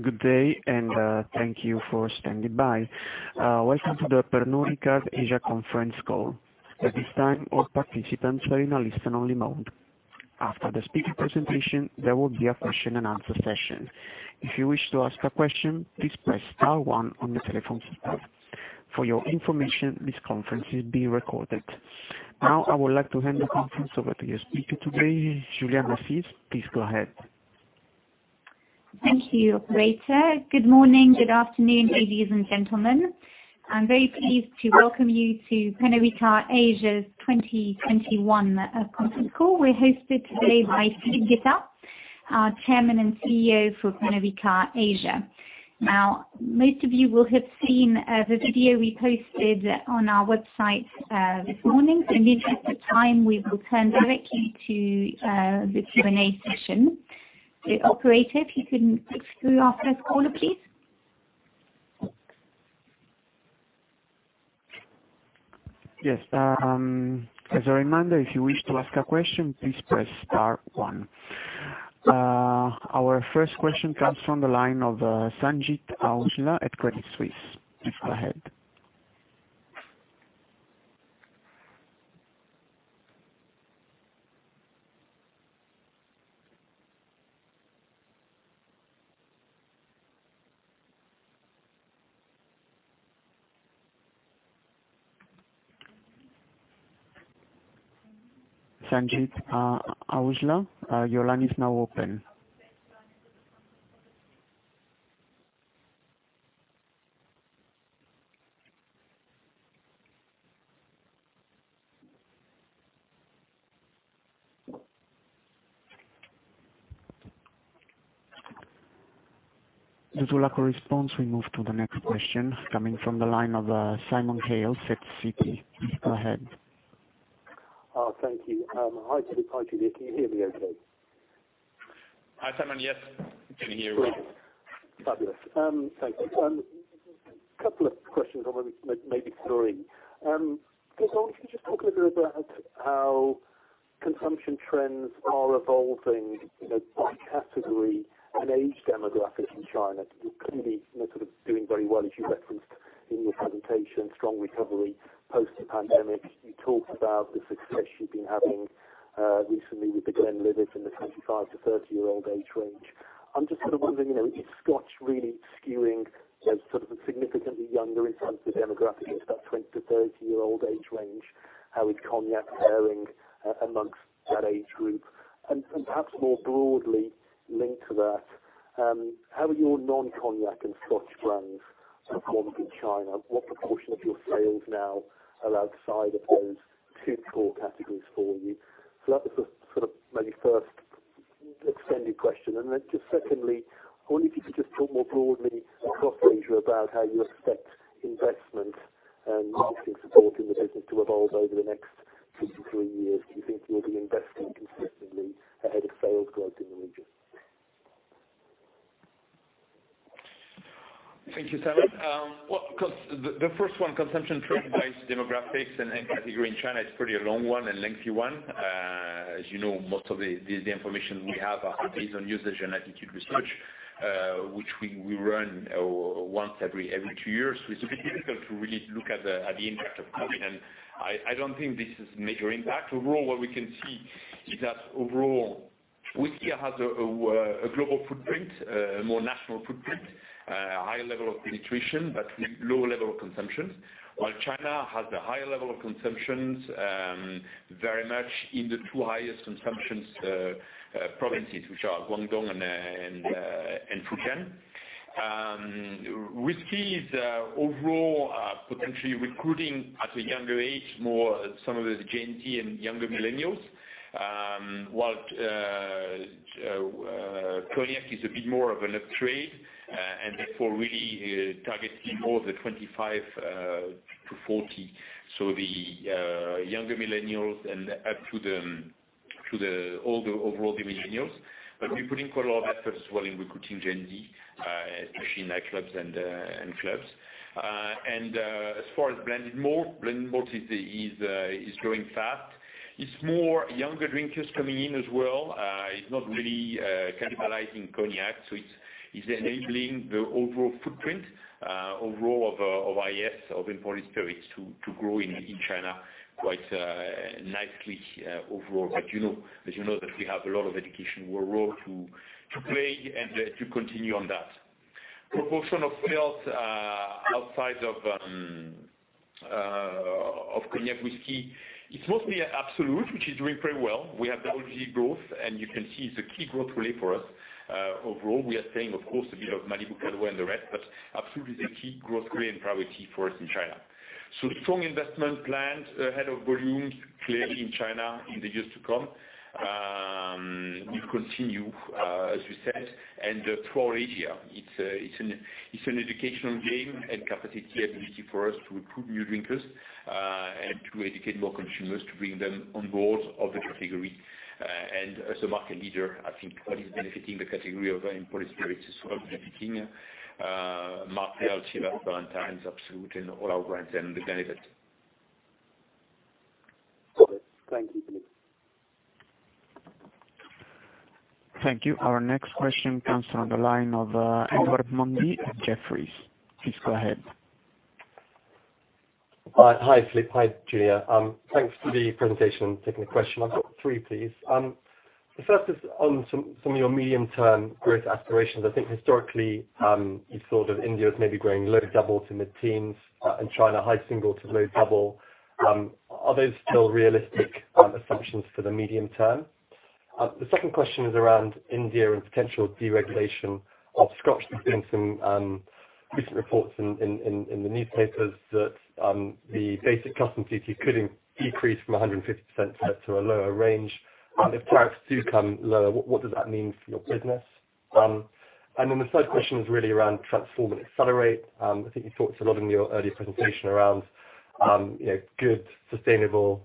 Good day, and thank you for standing by. Welcome to the Pernod Ricard Asia conference call. Now, I would like to hand the conference over to your speaker today, Julia Massies. Please go ahead. Thank you, operator. Good morning, good afternoon, ladies and gentlemen. I'm very pleased to welcome you to Pernod Ricard Asia's 2021 conference call we're hosted today by Philippe Guettat, our chairman and CEO for Pernod Ricard Asia, Now most of you will have seen the video we posted on our website this morning in the interest of time, we will turn directly to the Q&A session. Operator, if you can switch to the conference call, please. Yes. As a reminder, if you wish to ask a question, please press star one. Our first question comes from the line of Sanjit Aujla at Credit Suisse. Please go ahead. Sanjit Aujla, your line is now open. As we'll have a response, we move to the next question, coming from the line of Simon Hales, Citi please go ahead. Thank you. Hi, Philippe Guettat can you hear me okay? Hi, Simon. Yes, can hear you. Fabulous. Thank you. A couple of questions I want to maybe start with. First, can you just talk a little bit about how consumption trends are evolving by category and age demographic in China? clearly, doing very well, as you referenced in your presentation, strong recovery post-pandemic. You talked about the success you've been having recently with The Glenlivet in the 25 to 30-year-old age range. I'm just wondering, is scotch really skewing significantly younger in terms of the demographics, that 20 to 30-year-old age range? How is Cognac faring amongst that age group? Perhaps more broadly linked to that, how are your non-Cognac and scotch brands performing in China? What proportion of your sales now are outside of those two core categories for you? That was my first extended question just secondly, I wonder if you could just talk more broadly across Asia about how you expect investment and marketing support in the business to evolve over the next two to three years do you think you'll be investing consistently ahead of sales growth in the region? Thank you, Simon. The first one, consumption trend by demographics and category in China, is pretty long one and lengthy one. As you know, most of the information we have are based on usage and attitude research, which we run once every two years it's a bit difficult to really look at the impact of COVID, and I don't think this is a major impact overall, what we can see is that overall, whiskey has a global footprint, a more national footprint- -a high level of penetration but low level of consumption. While China has a high level of consumption, very much in the two highest consumption provinces, which are Guangdong and Fujian. Whiskey is overall potentially recruiting at a younger age, more some of the Gen Z and younger millennials, while Cognac is a bit more of an upgrade, and therefore really targeting more the 25-40. The younger millennials and up to all the overall millennials. We bring all our efforts as well in recruiting Gen Z, especially in nightclubs and clubs. As far as blended malt, blended malt is growing fast. It's more younger drinkers coming in as well. It's not really cannibalizing Cognac it's enabling the overall footprint of all spirits to grow in China quite nicely overall but you know that we have a lot of education role to play and to continue on that. Proportion of sales outside of Cognac whiskey. It's mostly Absolut, which is doing very well we have double-digit growth, and you can see it's a key growth area for us. Overall, we are seeing, of course, a bit of Malibu, Cîroc, and the rest, but Absolut is a key growth area and priority for us in China. Strong investment plans ahead of volumes, clearly in China in the years to come. We'll continue, as you said, and through all Asia it's an educational game and capacity ability for us to recruit new drinkers and to educate more consumers to bring them on board of the category. As a market leader, I think probably benefiting the category of imported spirits is Martell, Chivas, Ballantine's, Absolut, and all our brands then will benefit. Thank you, Philippe. Thank you. Our next question comes on the line of Edward Mundy at Jefferies. Please go ahead. Hi, Philippe. Hi, Julia thanks for the presentation i have a two question, ive got three please. The first is on some of your medium-term growth aspirations. I think historically, you thought of India as maybe growing low doubles in mid-teens and China high single to low double. Are those still realistic assumptions for the medium term? The second question is around India and potential deregulation of scotch there's been some recent reports in the newspapers that the basic custom duty could decrease from 150% down to a lower range. If tariffs do come lower, what does that mean for your business? The third question is really around Transform & Accelerate. I think you talked a lot in your earlier presentation around- -good sustainable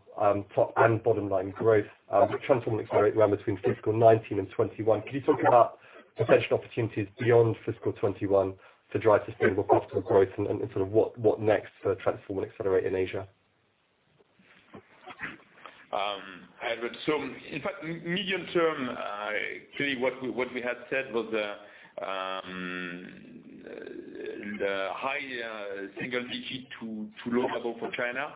top and bottom line growth with Transform & Accelerate between FY 2019 and FY 2021 can you talk about potential opportunities beyond fiscal 2021 to drive sustainable profitable growth and what next for Transform & Accelerate in Asia? Edward, in fact, medium term, clearly what we had said was the high single digit to low double for China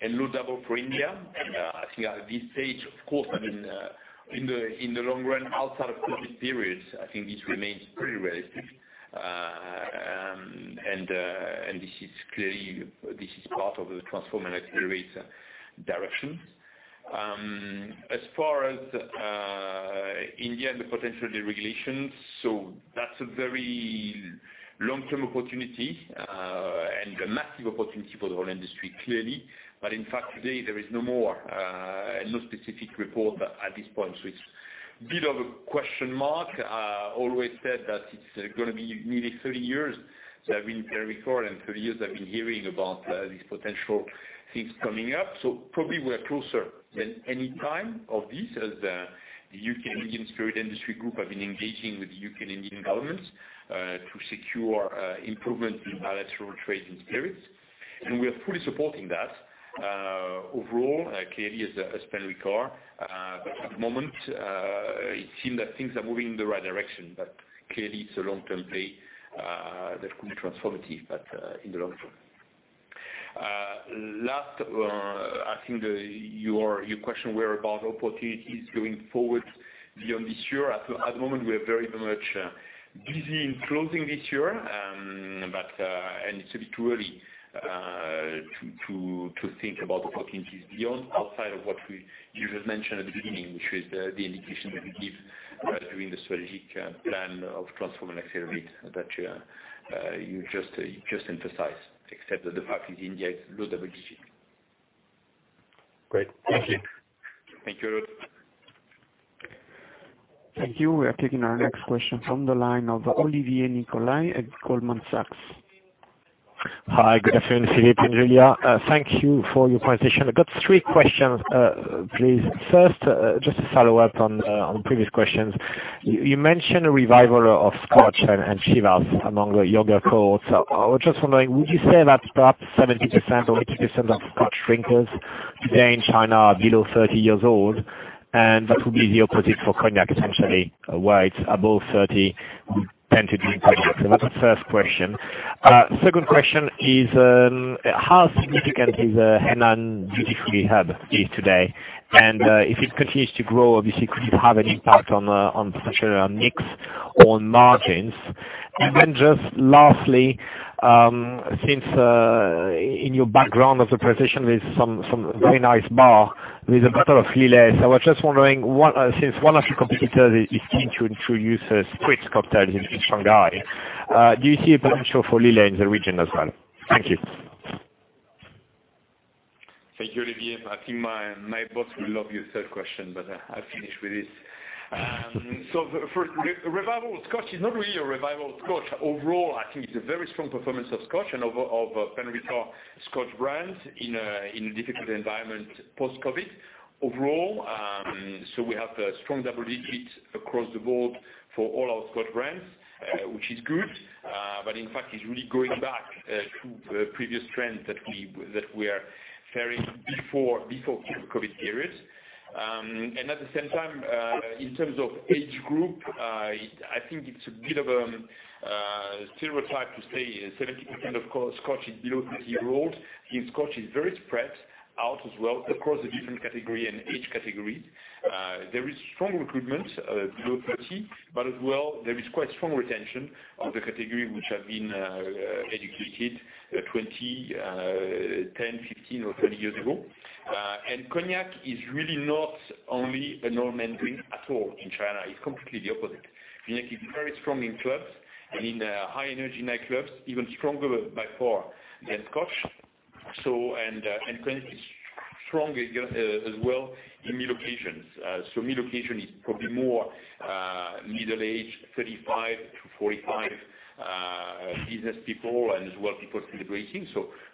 and low double for India. I think at this stage, of course, in the long run, outside of COVID periods, I think this remains pretty relative. This is part of the Transform & Accelerate direction. As far as India and the potential deregulations, that's a very long-term opportunity and a massive opportunity for the whole industry, clearly. In fact, today, there is no specific report at this point, so it's a bit of a question mark. I always said that it's going to be nearly 30 years, that I've been at Pernod Ricard, and 30 years I've been hearing about these potential things coming up so probably we're closer than any time of this as the U.K. and Indian spirit industry group have been engaging with the U.K. and Indian governments. To secure improvements in bilateral trade and spirits, and we are fully supporting that. Overall, clearly as Pernod Ricard, but at the moment, it seems that things are moving in the right direction but, clearly, it's a long-term play that could be transformative but in the long term. Last, I think your question were about opportunities going forward beyond this year at the moment, we are very much busy in closing this year. And it's a bit too early to think about opportunities beyond, outside of what you just mentioned at the beginning, which is the indication that we give during the strategic plan of Transform & Accelerate that you just emphasized, except that the path is indeed low double digits. Great. Thank you. Thank you. Thank you. We are taking our next question from the line of Olivier Nicolai at Goldman Sachs. Hi, good afternoon, Philippe and Julia. Thank you for your presentation i have got three questions, please just a follow-up on the previous questions. You mentioned revival of Scotch and Chivas among the younger cohorts i was just wondering, would you say that about 70% or 80% of Scotch drinkers today in China are below 30 years old? That would be the opposite for Cognac, essentially, where it is above 30, who tend to drink Cognac that is the first question. Second question is, how significant is Hainan Duty-Free hub is today? If it continues to grow, obviously, could it have an impact on potentially on mix or margins? Just lastly, since in your background of the presentation, there is some very nice bar with a bottle of Lillet i was just wondering, since one of your competitors is keen to introduce spritz cocktails in Shanghai, do you see a potential for Lillet in the region as well? Thank you. Thank you, Olivier i think my boss will love your third question i'll finish with this. First, revival of Scotch is not really a revival of Scotch i think it's a very strong performance of Scotch and of Pernod Ricard Scotch brand in a difficult environment post-COVID-19. Overall we have strong double-digits across the board for all our Scotch brands, which is good. In fact, it's really going back to previous trends that we are carrying before COVID-19 periods. At the same time, in terms of age group, I think it's a bit of a stereotype to say 70% of Scotch is below 30 years old. I think Scotch is very spread out as well across the different category and age category. There is strong recruitment below 30, as well, there is quite strong retention of the category which have been educated 10, 15, or 20 years ago. Cognac is really not only an old man drink at all in China it's completely the opposite. Cognac is very strong in clubs and in high energy nightclubs, even stronger by far than Scotch. Cognac is strong as well in meal occasions. Meal occasion is probably more middle-aged, 35-45 business people and as well people celebrating,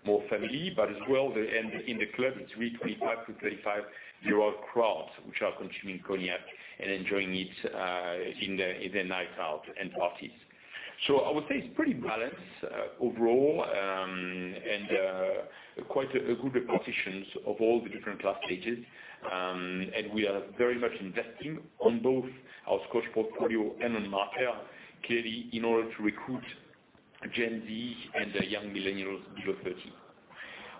more family as well in the club, it's really 25-35-year-old crowd, which are consuming Cognac and enjoying it in the nightclub and parties. I would say it's pretty balanced overall, and quite a good representation of all the different class stages. We are very much investing on both our Scotch portfolio and on Martell, clearly in order to recruit Gen Z and the young millennials below 30.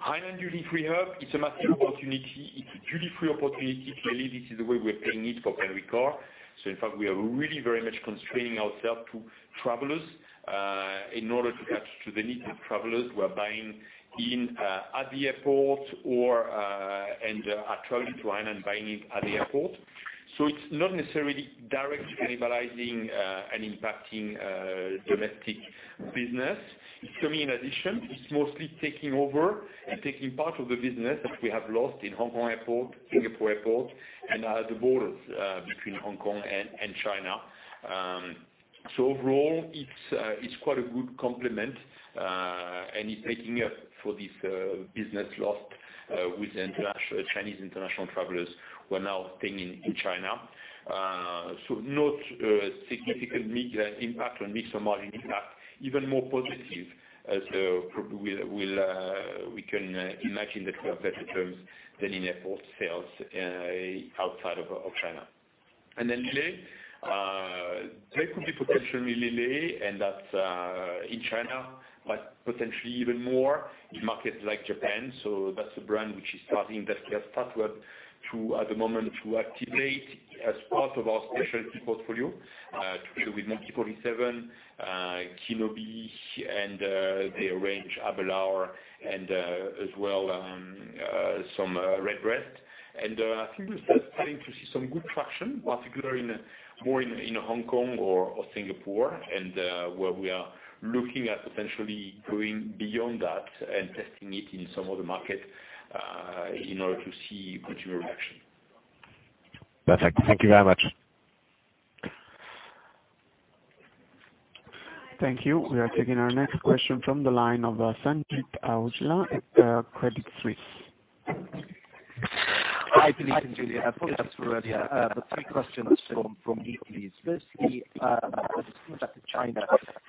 Hainan Duty-Free hub, it's a massive opportunity it's a duty-free opportunity clearly, this is the way we are playing it for Pernod Ricard. In fact, we are really very much constraining ourselves to travelers in order to capture the needs of travelers who are buying at the airport or are traveling to Hainan and buying it at the airport. It's not necessarily directly cannibalizing and impacting domestic business. It's coming in addition it's mostly taking over and taking part of the business that we have lost in Hong Kong Airport, Singapore Airport, and the borders between Hong Kong and China. Overall, it's quite a good complement, and it's making up for this business loss with Chinese international travelers who are now staying in China. Not a significant negative impact on mix or margin in fact, even more positive as probably we can imagine that we have better terms than in airport sales outside of China. [unintelligible] There could be potential in Lillet, and that's in China, but potentially even more in markets like Japan. That's a brand which is starting, that we have started to, at the moment, to activate as part of our specialty portfolio, together with Monkey 47, KI NO BI, and the range Aberlour, and as well, some Redbreast. I think this brand is starting to see some good traction, particularly more in Hong Kong or Singapore, where we are looking at potentially going beyond that and testing it in some other markets in order to see continued traction. Perfect. Thank you very much. Thank you. We are taking our next question from the line of Sanjit Aujla at Credit Suisse. Hi, Philippe Guettat i have two questions from me, please first, China. Can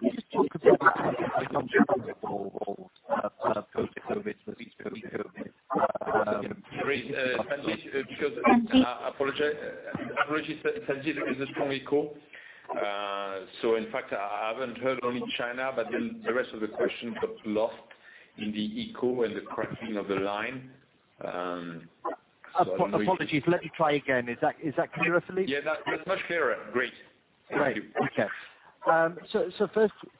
you just talk a bit about how you got on post-COVID versus pre-COVID? Sorry. Apologies. I'm not sure Sanjit is on this call. In fact, I haven't heard only China, but the rest of the question got lost in the echo and the cracking of the line. Apologies. Let me try again. Is that clearer at least? Yeah, that's much clearer. Great. Thank you. Great. Okay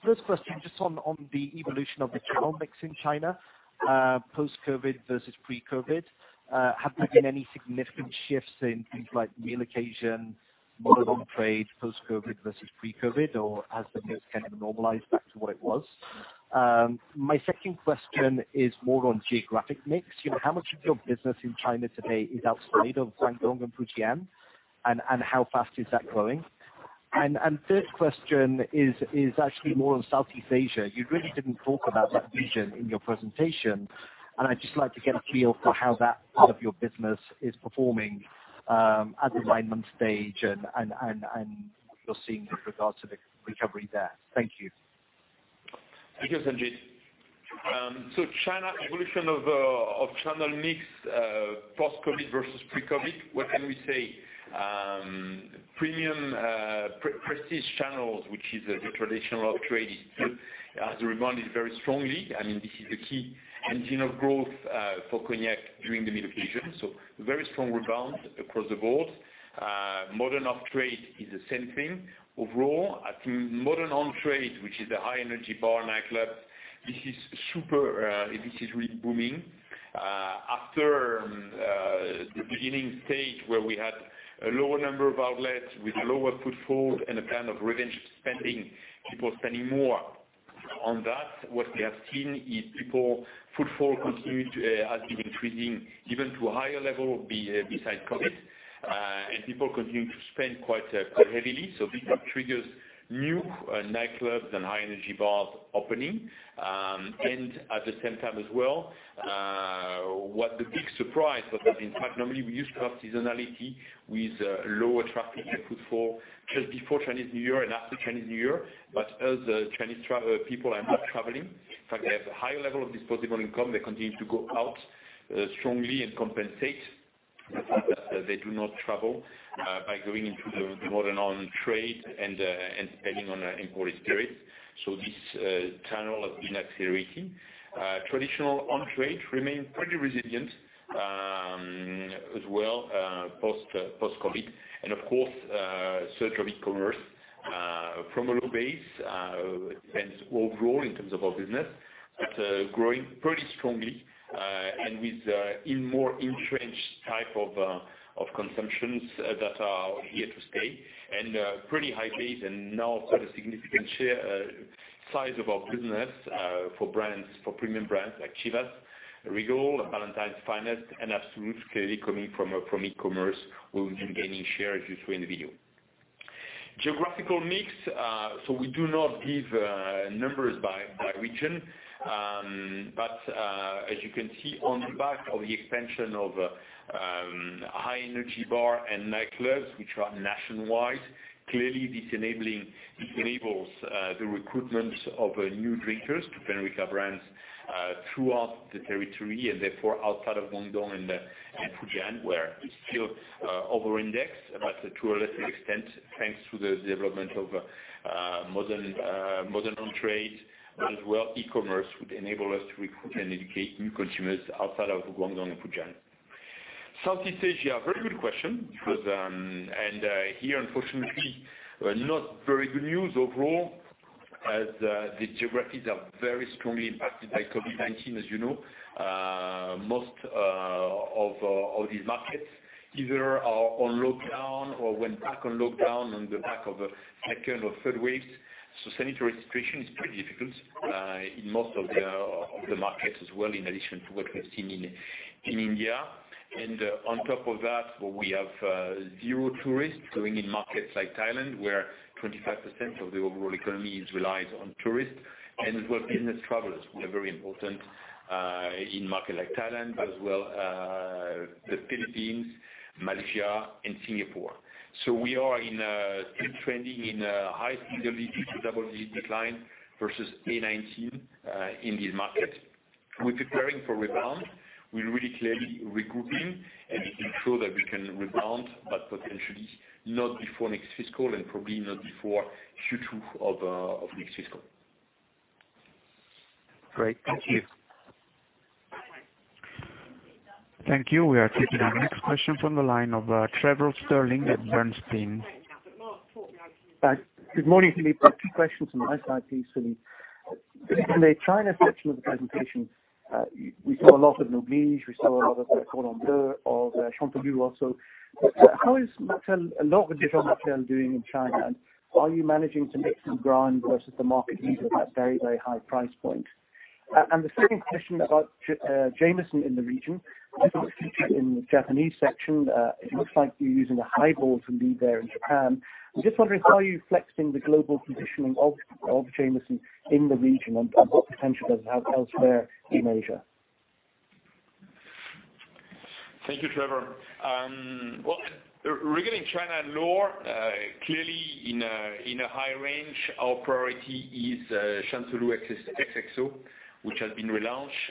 first question, just on the evolution of the channel mix in China, post-COVID versus pre-COVID. Have there been any significant shifts in things like meal occasion, modern on-trade, post-COVID versus pre-COVID, or has the mix kind of normalized back to where it was? My second question is more on geographic mix. How much of your business in China today is outside of Guangdong and Fujian, and how fast is that growing? Third question is actually more on Southeast Asia you really didn't talk about that region in your presentation, and I'd just like to get a feel for how that part of your business is performing at the line on stage and what you're seeing with regards to the recovery there. Thank you. Thank you, Sanjit. China evolution of channel mix, post-COVID versus pre-COVID, what can we say? premium prestige channels, which is the traditional off-trade, has rebounded very strongly and this is a key engine of growth for Cognac during the meal occasion so a very strong rebound across the board. Modern off-trade is the same thing. Overall, I think modern on-trade, which is the high energy bar and nightclub, this is really booming. After the beginning stage where we had a lower number of outlets with a lower footfall and a kind of revenge spending, people spending more on that what we have seen is people footfall has been increasing even to a higher level beside COVID, and people continue to spend quite heavily so pickup triggers, new nightclubs, and high energy bars opening. At the same time as well, what the big surprise of that is, in fact, normally we used to have seasonality with lower traffic and footfall just before Chinese New Year and after Chinese New Year but, as Chinese people are not traveling, in fact, they have a high level of disposable income they continue to go out strongly and compensate the fact that they do not travel by going into the modern on-trade and spending on imported spirits. This channel has been accelerating. Traditional on-trade remains pretty resilient as well, post-COVID. And of course, search on e-commerce from a low base and overall in terms of our business, but growing pretty strongly and with more entrenched type of consumptions that are here to stay and pretty high base and now quite a significant size of our business for premium brands like Chivas Regal, Ballantine's Finest, and Absolut, clearly coming from e-commerce, will be gaining share as you saw in the video. Geographical mix, we do not give numbers by region. As you can see on the back of the expansion of high energy bar and nightclubs, which are nationwide, clearly this enables the recruitment of new drinkers to Pernod Ricard brands throughout the territory, and therefore outside of Guangdong and Fujian, where we still over-index, but to a lesser extent, thanks to the development of modern on-trade as well, e-commerce would enable us to recruit and educate new consumers outside of Guangdong and Fujian. Southeast Asia, very good question. Here, unfortunately, not very good news overall, as the geographies are very strongly impacted by COVID-19, as you know. Most of these markets either are on lockdown or went back on lockdown on the back of a second or third wave. Sanitary situation is pretty difficult in most of the markets as well, in addition to what we have seen in India. On top of that, we have zero tourists going in markets like Thailand, where 25% of the overall economy is reliant on tourists, and as well business travelers who are very important, in markets like Thailand, but as well, the Philippines, Malaysia, and Singapore. We are trending in a high double-digit decline versus A19 in these markets. We're preparing for rebound. We're really clearly regrouping and ensure that we can rebound, but potentially not before next fiscal and probably not before Q2 of next fiscal. Great. Thank you. Thank you. We are taking our next question from the line of Trevor Stirling at Bernstein. Good morning to you two questions on the Asia-Pacific strategy. In the China section of the presentation, we saw a lot of Noblige, we saw a lot of Cordon Bleu, of Chanteloup also. How is Maison Martell doing in China? Are you managing to mix these brands versus the market leader at very, very high price points? The second question about Jameson in the region. I saw a picture in the Japanese section. It looks like you're using a high ball indeed there in Japan. I'm just wondering, how are you flexing the global positioning of Jameson in the region and what potential does it have elsewhere in Asia? Thank you, Trevor. Regarding China, lower, clearly in a high range, our priority is Martell Chanteloup XXO, which has been relaunched,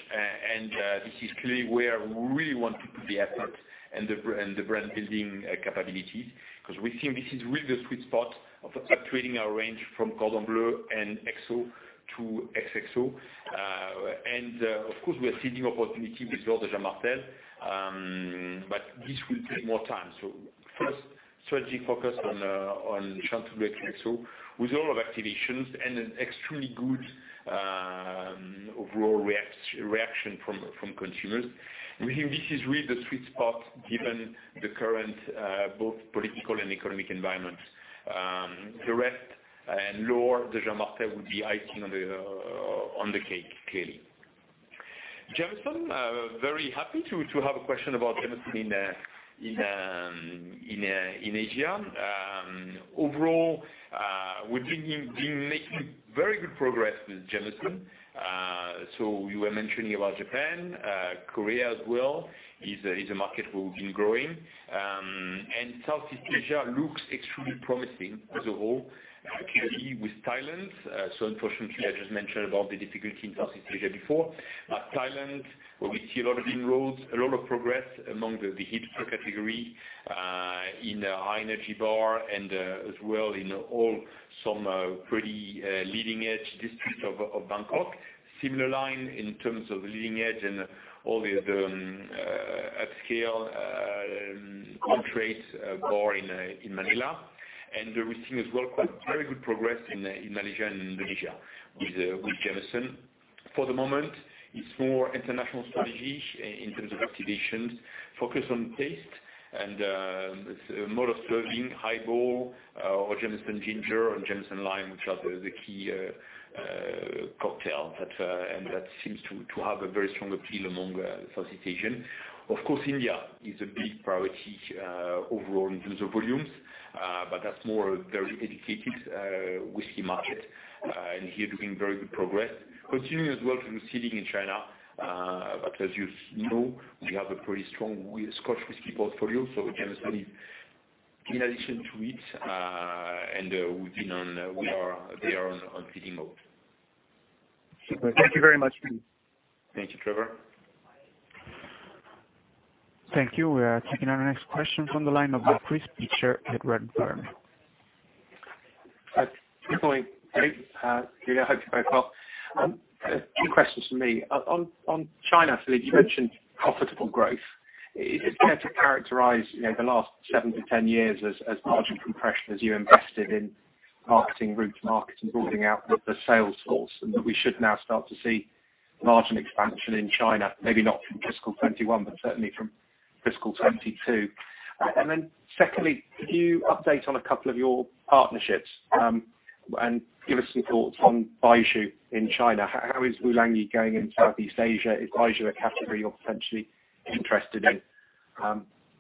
and this is clearly where we really want to put the effort and the brand-building capability because we think this is really the sweet spot of up-trading our range from Cordon Bleu and XO to XXO. Of course, we are seeing opportunity with L'Or de Jean Martell, but this will take more time. First, strategy focus on Martell Chanteloup XXO with a lot of activations and an extremely good overall reaction from consumers. We think this is really the sweet spot given the current both political and economic environment. The rest, lower L'Or de Jean Martell will be icing on the cake, clearly. Jameson, very happy to have a question about Jameson in Asia. Overall, we've been making very good progress with Jameson. You were mentioning about Japan. Korea as well is a market where we've been growing. Southeast Asia looks extremely promising overall, clearly with Thailand. As unfortunately, I just mentioned about the difficulty in Southeast Asia before. Thailand, where we see a lot of inroads, a lot of progress among the hipster category, in high energy bar and, as well in all some pretty leading-edge district of Bangkok. Similar line in terms of leading edge and all the other upscale on-trade bar in Manila. We're seeing as well very good progress in Malaysia and Indonesia with Jameson. For the moment, it's more international strategy in terms of activations, focus on taste and mode of serving, highball or Jameson ginger or Jameson lime, which are the key cocktails and that seems to have a very strong appeal among Southeast Asian. Of course, India is a big priority overall in terms of volumes, but that's more a very educated whisky market. Here, doing very good progress. Continuing as well to be seeing in China, but as you know, we have a pretty strong Scotch whisky portfolio, so Jameson in addition to it, and we are there on feeding mode. Thank you very much. Thank you, Trevor. Thank you. We are taking our next question from the line of Chris Pitcher at Redburn. Good morning, [unintelligible] hope you're very well two questions from me on China, you mentioned profitable growth. It is fair to characterize the last seven to 10 years as margin compression as you invested in marketing, route to market, and building out the sales force, and that we should now start to see margin expansion in China, maybe not from fiscal 2021, but certainly from fiscal 2022. Secondly, could you update on a couple of your partnerships, and give us some thoughts on Baijiu in China? How is Wuliangye going in Southeast Asia? Is Baijiu a category you are potentially interested in?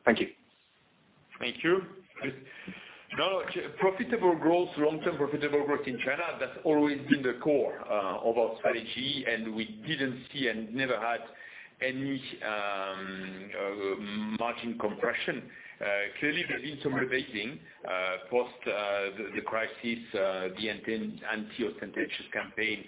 Thank you. Thank you. Profitable growth, long-term profitable growth in China, that's always been the core of our strategy, and we didn't see and never had any margin compression. Clearly, there's been some rebasing post the crisis, the anti-authenticity campaign,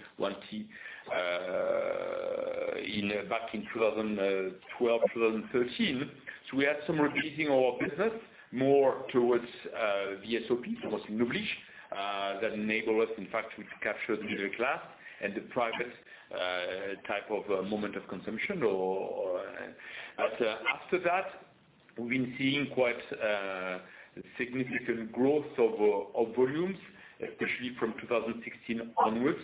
back in 2012, 2013. We had some rebasing our business more towards the VSOPs towards entry that enable us, in fact, we've captured the middle class and the private type of moment of consumption or after that, we've been seeing quite significant growth of volumes, especially from 2016 onwards,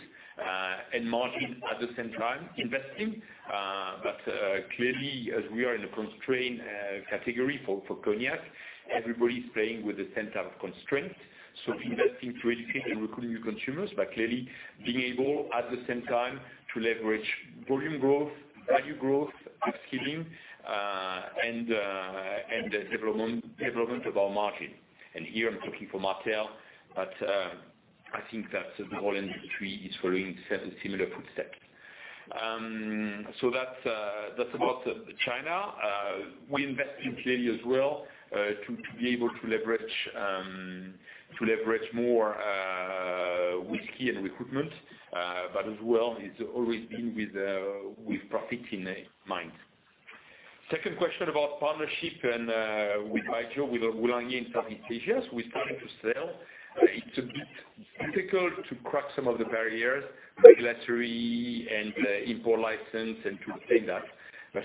and margin at the same time investing. Clearly, as we are in a constrained category for Cognac, everybody's playing with the same type of constraint. Investing to educate and recruit new consumers, but clearly being able at the same time to leverage volume growth, value growth, up-selling, and the development of our margin. Here I'm talking for Martell, but I think that the whole industry is following a similar footsteps. That's about China, we invest in plenty as well to be able to leverage more whiskey and recruitment, but as well it's always been with profit in mind. Second question about partnership with Wuliangye, with Wuliangye participation, we're starting to sell. It's a bit difficult to crack some of the barriers, regulatory and import license and to obtain that,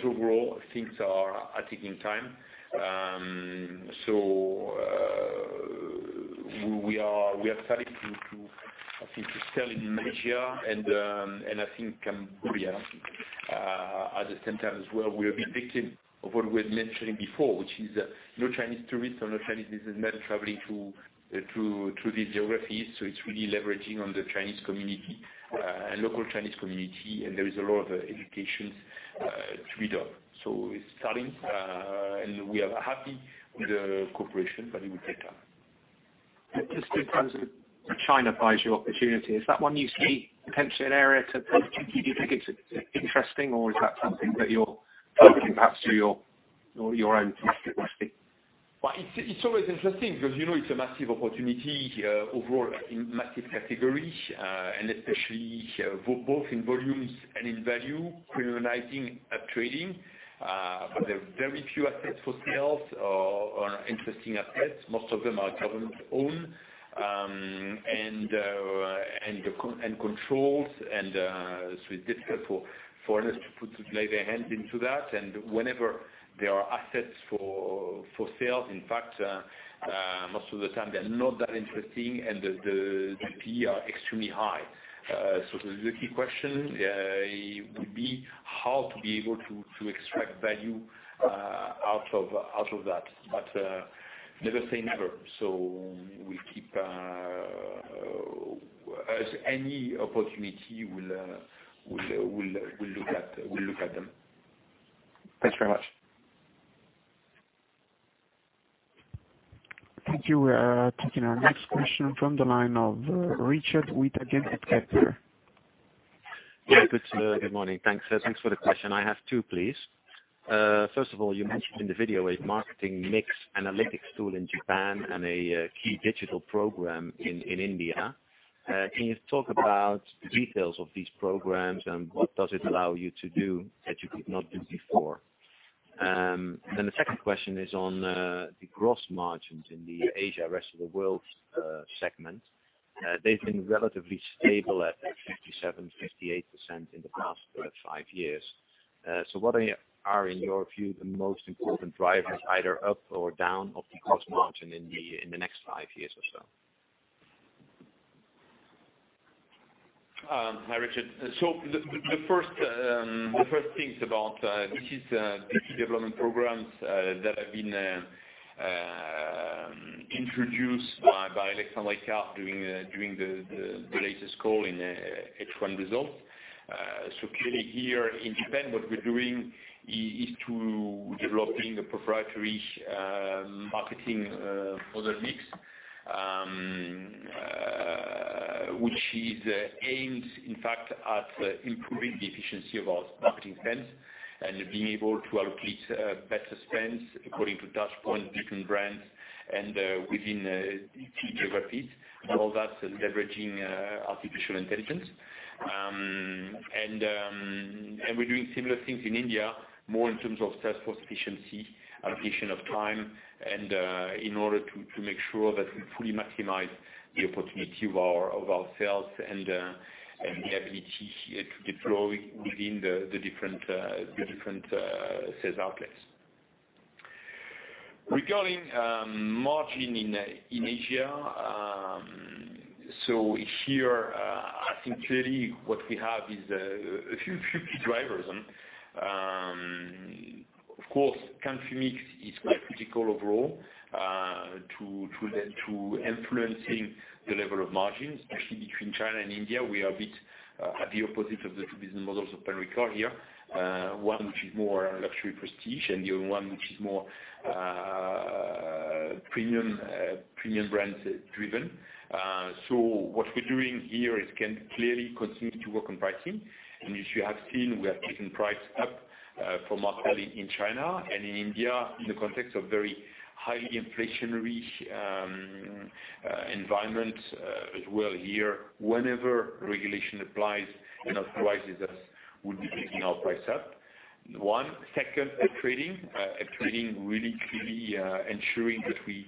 overall, things are taking time. We are starting to, I think, sell in Malaysia and I think Cambodia at the same time as well we are a bit victim of what we were mentioning before, which is no Chinese tourists, no Chinese business traveling to these geographies it's really leveraging on the Chinese community, local Chinese community, and there is a lot of education to be done. It's starting, and we are happy with the cooperation, but it will take time. Just in terms of China Baijiu opportunity is that one you see potential areas that you think is interesting or is that something that you're leaving perhaps to your own domestic market? It's always interesting because it's a massive opportunity overall in massive categories, and especially both in volumes and in value, premiumizing, up-trading. There are very few assets for sales or interesting assets most of them are government-owned and controlled, and so it's difficult for foreigners to lay their hands into that and whenever there are assets for sales, in fact, most of the time they're not that interesting, and the P are extremely high. The key question would be how to be able to extract value out of that but, never say never so, we'll keep any opportunity, we'll look at them. Thanks very much. Thank you. We're taking our next question from the line of Richard with BNP Paribas Exane. Yeah. Good morning. Thanks thanks for the question i have two, please. You mentioned in the video a marketing mix analytics tool in Japan and a key digital program in India. Can you talk about the details of these programs and what does it allow you to do that you could not do before? The second question is on the gross margins in the Asia rest of the world segment. They've been relatively stable at 57%-58% in the past five years. What are, in your view, the most important drivers, either up or down, of the gross margin in the next five years or so? Hi, Richard. The first things about the key development programs that have been introduced by Alexandre Ricard during the latest call in first half results clearly here in Japan, what we're doing is to developing a proprietary marketing model mix, which is aimed in fact at improving the efficiency of our marketing spends and being able to allocate better spends according to touchpoint, different brands, and within key geographies, and all that leveraging artificial intelligence. We're doing similar things in India, more in terms of sales force efficiency, allocation of time, and in order to make sure that we fully maximize the opportunity of our sales and the ability to deploy within the different sales outlets. Regarding margin in Asia, so here, I think clearly what we have is a few key drivers. Of course, country mix is quite critical overall to influencing the level of margins, actually, between China and India, we are a bit at the opposite of the two business models of Pernod Ricard here. One, which is more luxury prestige, and the other one which is more premium brand driven. What we're doing here is can clearly continue to work on pricing. As you have seen, we have taken price up from our side in China and in India in the context of very highly inflationary environment as well here, whenever regulation applies and authorizes us, we'll be taking our price up. One, second, trading, really clearly ensuring that we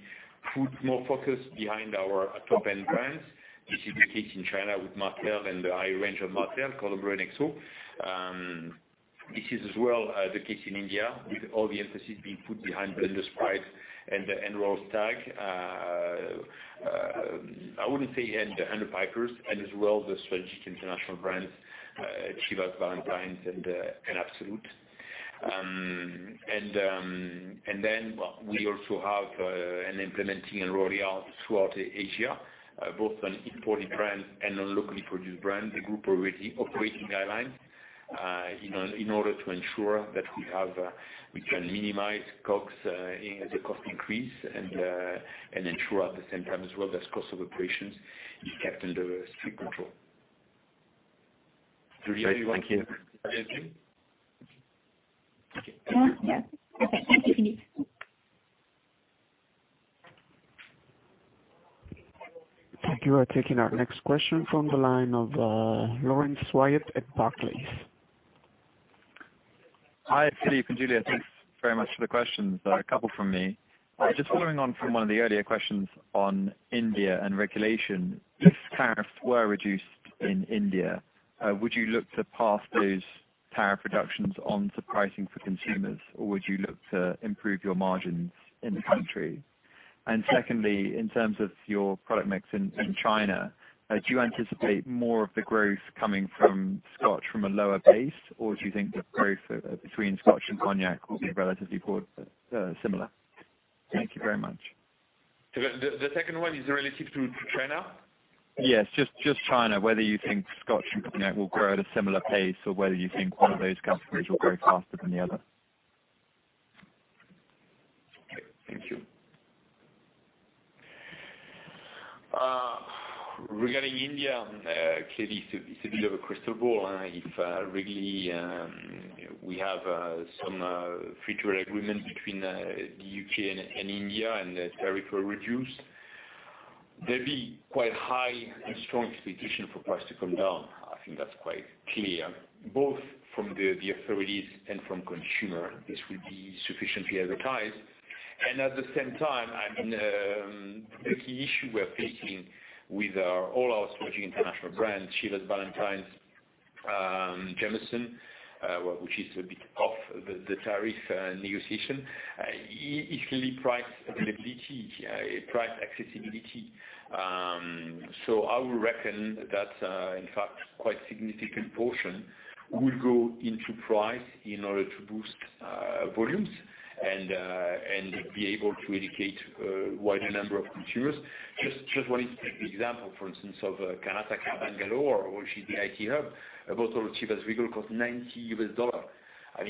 put more focus behind our top-end brands. This is the case in China with Martell and the high range of Martell, Cognac XO. This is as well the case in India with all the emphasis being put behind Blenders Pride and Royal Stag. I wouldn't say the Beefeater, as well the strategic international brands, Chivas, Ballantine's and Absolut. We also have an implementing and rollout throughout Asia, both on imported brand and on locally produced brands, a group already operating guidelines in order to ensure that we can minimize the cost increase and ensure at the same time as well as cost of operations is kept under strict control. Thank you. Thank you we're taking our next question from the line of Lauren Lieberman at Barclays. Hi, Philippe Guettat and Julia Massies. Thanks very much for the questions, a couple from me. Just following on from one of the earlier questions on India and regulation. If tariffs were reduced in India, would you look to pass those tariff reductions on to pricing for consumers, or would you look to improve your margins in the country? Secondly, in terms of your product mix in China, do you anticipate more of the growth coming from Scotch from a lower base? or do you think the growth between Scotch and Cognac will be relatively similar? Thank you very much. The second one is related to China? Yes, just China, whether you think Scotch and Cognac will grow at a similar pace or whether you think one of those categories will grow faster than the other? Thank you. Regarding India, clearly, it's a bit of a crystal ball if really we have some future agreement between the U.K. and India and the tariff were reduced, there'd be quite high and strong expectation for price to come down i think that's quite clear, both from the authorities and from consumer, this will be sufficiently advertised. At the same time, the key issue we're facing with our all our strategic international brands, Chivas, Ballantine's, Jameson, which is a bit off the tariff negotiation, is really price availability, price accessibility. I would reckon that, in fact, quite significant portion will go into price in order to boost volumes and be able to educate a wider number of consumers. Just one specific example, for instance, of Karnataka, Bangalore, which is the IT hub, a bottle of Chivas Regal costs EUR 90. At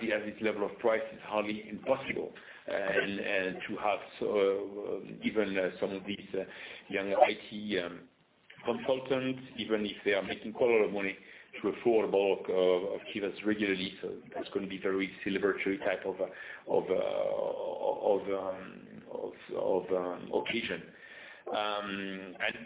this level of price, it's hardly impossible. To have even some of these younger IT consultants, even if they are making a lot of money to afford a bottle of Chivas regularly, so it's going to be very celebratory type of an occasion.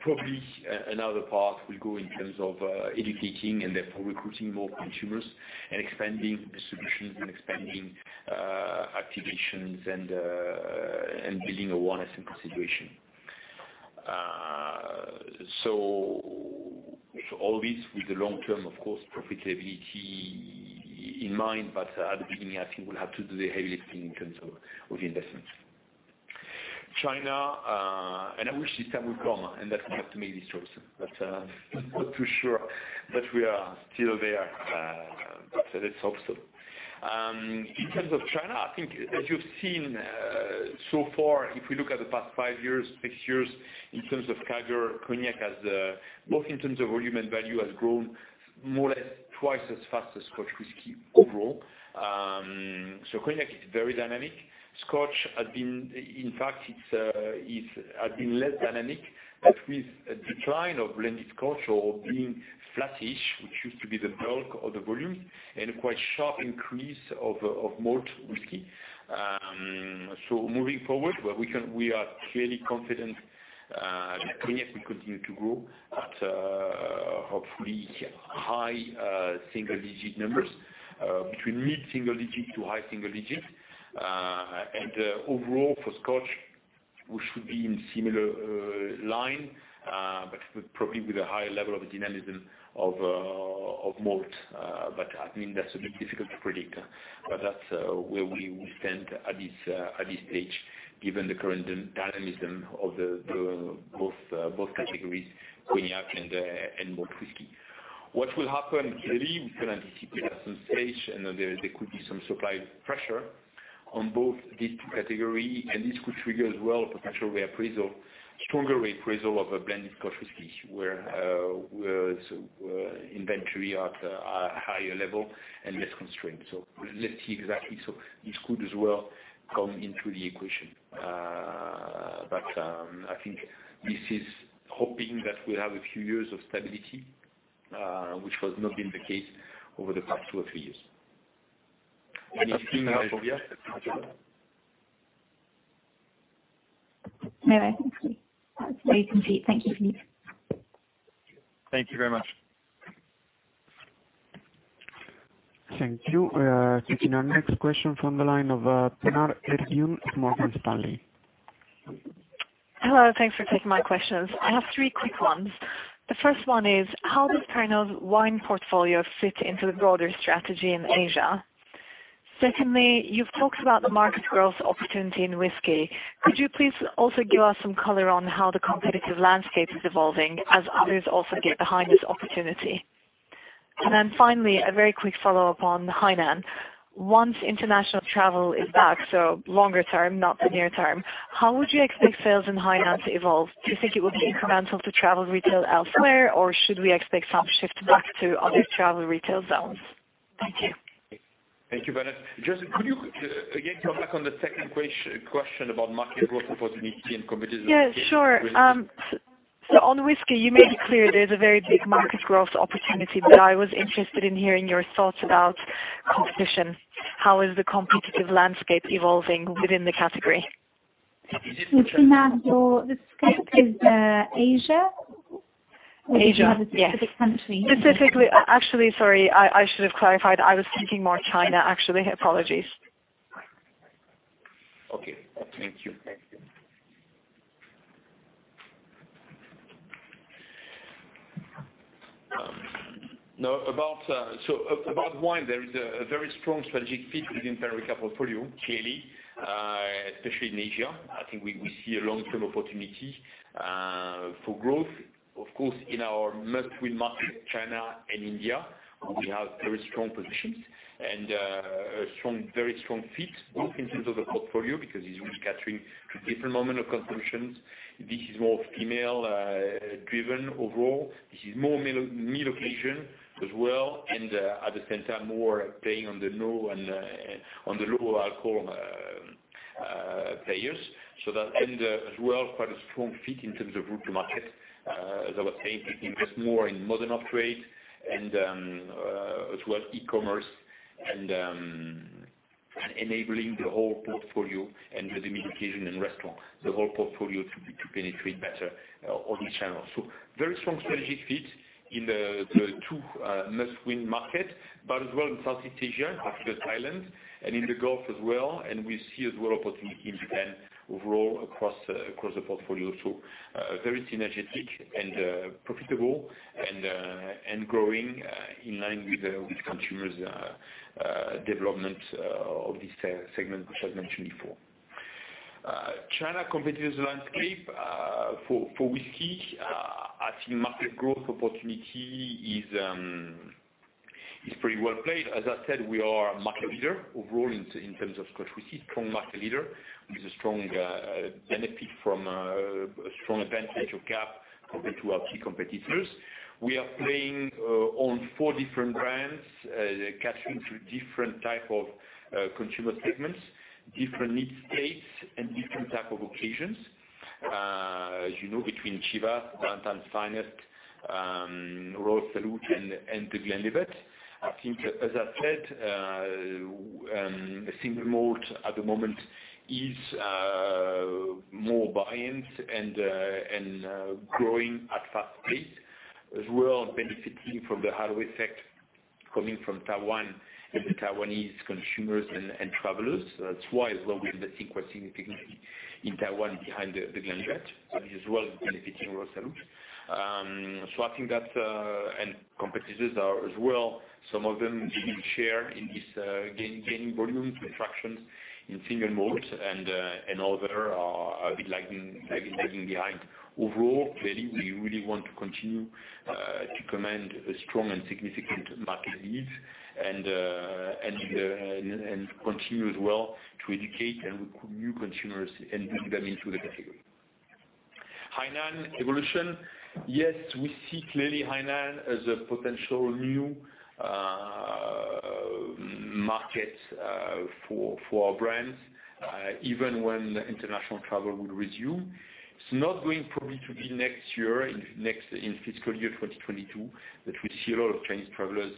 Probably another part will go in terms of educating and therefore recruiting more consumers and expanding distributions and expanding applications and building awareness and consideration. All this with the long term, of course, profitability in mind, but at the beginning, I think we'll have to do the heavy lifting in terms of investments. China, I wish the time would come, and that's up to many sources, but I'm not too sure that we are still there. Let's hope so. In terms of China, I think as you've seen so far, if we look at the past five years, six years in terms of CAGR, Cognac has, both in terms of volume and value, has grown more or less twice as fast as Scotch whisky overall. Cognac is very dynamic. Scotch had been, in fact, it had been less dynamic, but with a decline of blended Scotch or being flattish, which used to be the bulk of the volume and quite sharp increase of Malt Whisky. Moving forward, we are clearly confident that Cognac will continue to grow at hopefully high single-digit numbers between mid single-digit to high single-digit. Overall for Scotch, we should be in similar line but probably with a higher level of dynamism of malt. I think that's a bit difficult to predict. That's where we stand at this stage, given the current dynamism of both categories, Cognac and Malt Whisky. What will happen clearly, we can anticipate at some stage, there could be some supply pressure on both these two categories, and this could trigger as well potential reappraisal, stronger reappraisal of a blended Scotch whisky, where inventory at a higher level and less constrained we'll see exactly. This could as well come into the equation. I think this is hoping that we'll have a few years of stability, which has not been the case over the past two or three years. Anything else, Olivia? No, I think we're complete. Thank you. Thank you very much. Thank you. Taking our next question from the line of Céline Pannuti from Morgan Stanley. Hello. Thanks for taking my questions. I have three quick ones the first one is, how does Pernod's wine portfolio fit into the broader strategy in Asia? Secondly, you've talked about the market growth opportunity in whisky. Could you please also give us some color on how the competitive landscape is evolving as others also get behind this opportunity? Finally, a very quick follow-up on Hainan. Once international travel is back, so longer term, not the near term, how would you expect sales in Hainan to evolve? Do you think it was incremental to travel retail elsewhere? or should we expect some shift back to other travel retail zones? Thank you. Thank you, Céline Pannuti. Could you again come back on the second question about market growth opportunity in competitive-. Yeah, sure. On whisky, you made it clear there's a very big market growth opportunity i was interested in hearing your thoughts about competition. How is the competitive landscape evolving within the category? Céline Pannuti, the scope is Asia? Asia, yes. Specifically, actually, sorry, I should have clarified. I was thinking more China, actually apologies. Okay. Thank you. About wine, there is a very strong strategic fit within Pernod Ricard portfolio, clearly, especially in Asia. I think we see a long-term opportunity for growth. Of course, in our must-win markets, China and India, we have very strong positions and a very strong fit both in terms of the portfolio, because it is really catering to different moment of consumptions. This is more female-driven overall. This is more meal occasion as well, and at the same time, more playing on the low and on the low-alcohol players. That end as well, quite a strong fit in terms of route to market. As I was saying, we can invest more in modern trade and as well e-commerce and enabling the whole portfolio and the limited edition in restaurant, the whole portfolio to penetrate better all these channels. Very strong strategic fit in the two must-win markets, but as well in Southeast Asia, particularly Thailand, and in the Gulf as well and we see as well opportunity in Japan overall across the portfolio. Very synergetic and profitable and growing in line with consumers' development of this segment, which I mentioned before. China competitive landscape for whisky, I think market growth opportunity is pretty well played as I said, we are a market leader overall in terms of Scotch whisky, strong market leader with a strong benefit from a strong advantage of cap compared to our key competitors. We are playing on four different brands, catering to different type of consumer segments, different need states, and different type of occasions. As you know, between Chivas, Ballantine's Finest, Royal Salute, and The Glenlivet. I think, as I've said single malt at the moment is more buoyant and growing at a fast pace as well, benefiting from the halo effect coming from Taiwan and the Taiwanese consumers and travelers that's why as well we have seen quite significantly in Taiwan behind The Glenlivet, which is as well benefiting Royal Salute. I think that competitors are as well, some of them gaining share in this, gaining volume penetration in single malt and other are a bit lagging behind. Overall, clearly, we really want to continue to command a strong and significant market lead and continue as well to educate and recruit new consumers and bring them into the category. Hainan evolution, yes, we see clearly Hainan as a potential new market for our brands, even when international travel will resume. It's not going probably to be next year, in fiscal year 2022, that we see a lot of Chinese travelers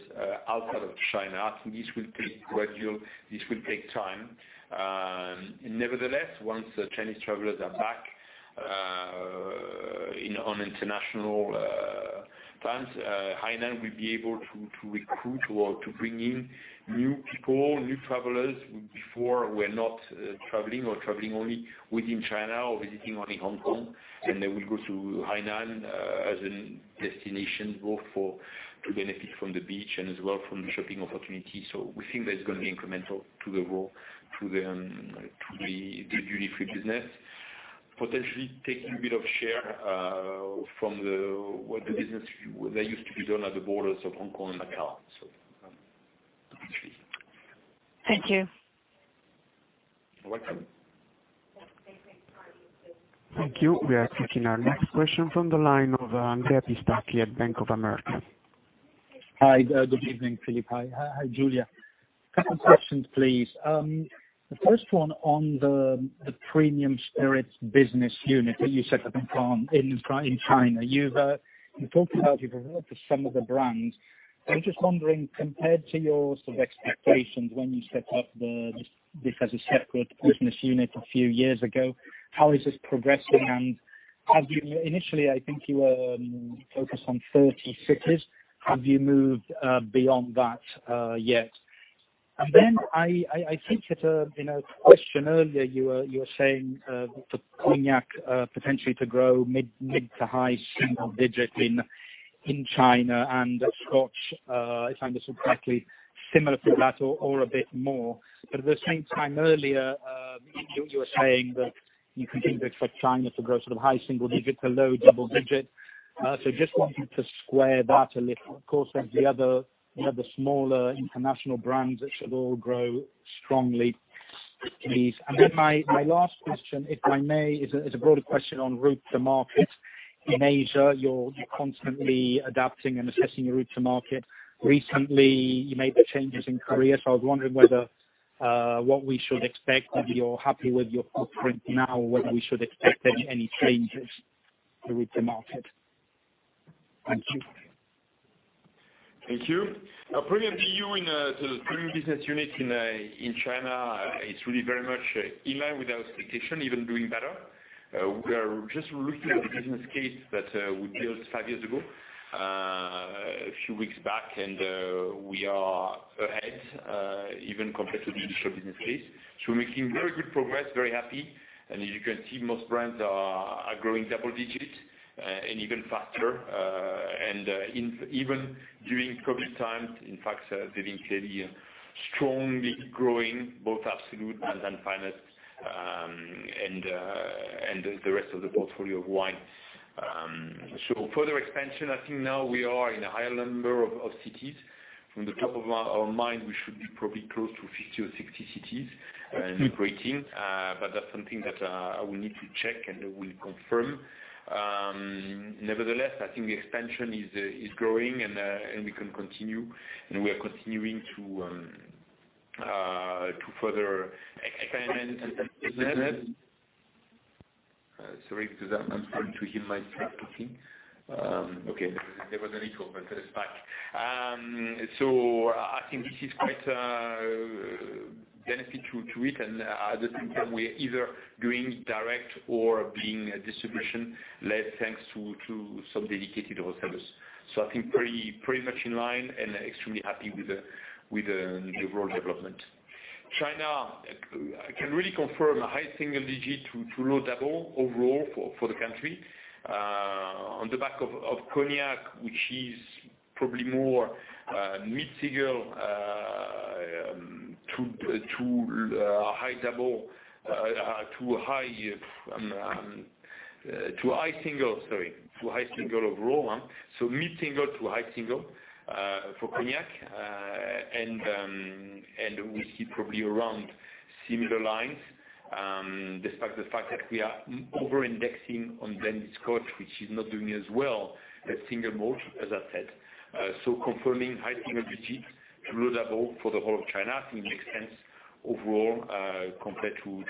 outside of China i think this will be gradual. This will take time. Once the Chinese travelers are back on international plans, Hainan will be able to recruit or to bring in new people, new travelers who before were not traveling or traveling only within China or visiting only Hong Kong. They will go to Hainan as a destination both to benefit from the beach and as well from the shopping opportunity so we think that's going to be incremental to the growth, to the Duty-Free business. Potentially taking a bit of share from what the business used to be done at the borders of Hong Kong and Macau potentially. Thank you. You're welcome. Thank you. We are taking our next question from the line of Andrea Pistacchi at Bank of America. Hi, good evening, Philippe, hi, Julia. A couple questions, please. The first one on the premium spirits business unit that you set up in China you talked about you brought some of the brands. I'm just wondering, compared to your expectations when you set up this as a separate business unit a few years ago? how is this progressing? Initially, I think you were focused on 30 cities. Have you moved beyond that yet? Then I think in a question earlier, you were saying that for Cognac, potentially to grow mid to high single digits in China and Scotch, if I understood correctly, similar to that or a bit more. At the same time earlier, you were saying that you continue for China to grow to the high single digit to low double digit. Just want you to square that a little of course, there's the other smaller international brands that should all grow strongly, please, my last question, if I may, is a broad question on route to market. In Asia, you're constantly adapting and assessing your route to market. Recently, you made the changes in Korea, I was wondering what we should expect, whether you're happy with your footprint now or whether we should expect any changes to route to market. Thank you. Thank you. Probably the view in the premium business unit in China, it's really very much in line with our expectation, even doing better. We are just looking at the business case that we built five years ago, a few weeks back, we are ahead, even compared to the initial business case so we're making very good progress, very happy. As you can see, most brands are growing double digits and even faster. Even during COVID times, in fact, they've been clearly, strongly growing both Absolut and Pernod, and the rest of the portfolio of wine. Further expansion, I think now we are in a high number of cities. From the top of my mind, we should be probably close to 50 or 60 cities and growing that's something that we need to check and we'll confirm. Nevertheless, I think expansion is growing and we can continue and we are continuing to further experiment and implement. Sorry, does that mean probably my draft copy? Okay, never going to open this back. I think this is quite a benefit to it and at the same time, we are either doing direct or being a distribution-led thanks to some dedicated wholesalers. I think pretty much in line and extremely happy with the overall development. China, I can really confirm a high single digit to low double overall for the country. On the back of Cognac, which is probably more mid-single to high single, sorry, to high single overall. Mid-single to high single, for Cognac. We see probably around similar lines, despite the fact that we are over-indexing on blended scotch, which is not doing as well as single malt, as I said. Confirming high single digits to low double digits for the whole of China, I think makes sense overall, compared to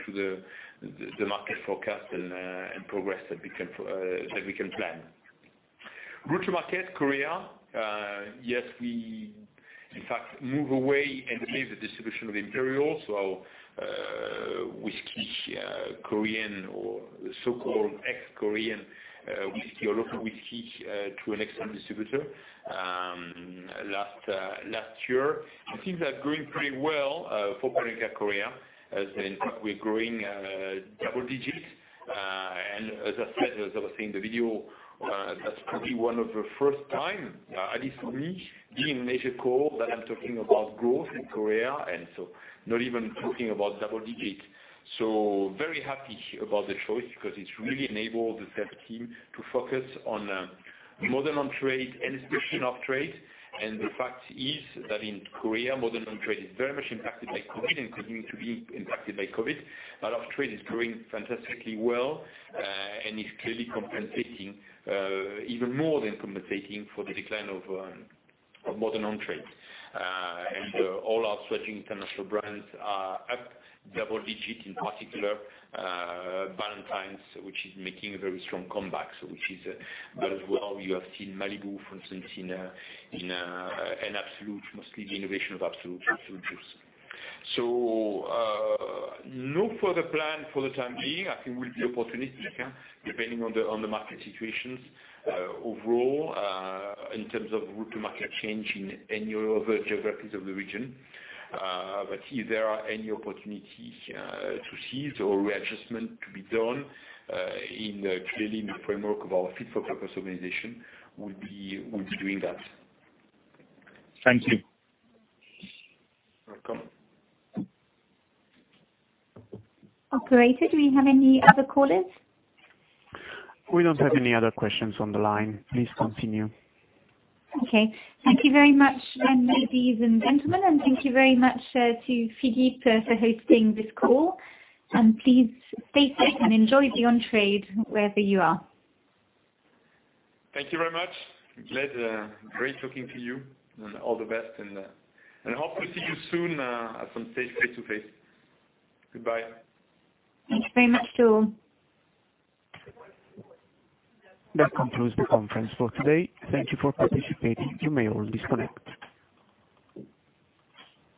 the market forecast and progress that we can plan. Route to market, Korea. Yes, we, in fact, moved away and gave the distribution of Imperial. Whiskey, Korean or so-called ex-Korean whiskey, or local whiskey, to an external distributor last year, things are going pretty well for Pernod Ricard Korea, as in fact, we're growing double digits. As I was saying in the video, that's probably one of the first time, at least for me, being major corp, that I'm talking about growth in Korea, not even talking about double digits. Very happy about the choice because it's really enabled the sales team to focus on modern on-trade and especially off-trade. The fact is that in Korea, modern on-trade is very much impacted by COVID-19 and continuing to be impacted by COVID-19. A lot of trade is growing fantastically well and is clearly compensating, even more than compensating for the decline of modern on-trade. All our leading international brands are up double digits, in particular, Ballantine's, which is making a very strong comeback as well, you have seen Malibu, for instance, and Absolut, mostly the innovation of Absolut Juice. No further plan for the time being. I think we'll see opportunities depending on the market situations overall, in terms of route to market change in any other geographies of the region. If there are any opportunities to seize or readjustment to be done, clearly in the framework of our fit for purpose organization, we'll be doing that. Thank you. You're welcome. Operator, do we have any other callers? We don't have any other questions on the line. Please continue. Okay. Thank you very much, ladies and gentlemen thank you very much to Philippe for hosting this call. Please stay safe and enjoy the on-trade wherever you are. Thank you very much. Glad, great talking to you and all the best and hopefully see you soon at some stage face to face. Goodbye. Thanks very much to all. That concludes the conference for today. Thank you for participating. You may all disconnect.